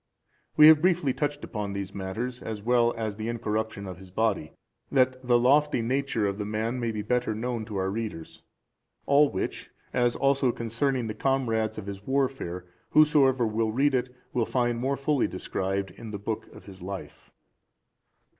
We have briefly touched upon these matters as well as the incorruption of his body, that the lofty nature of the man may be better known to our readers. All which, as also concerning the comrades of his warfare, whosoever will read it, will find more fully described in the book of his life.